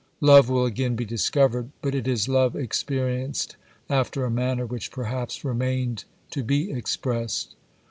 Love will again be discovered, but it is love experienced after a manner which perhaps remained to be expressed.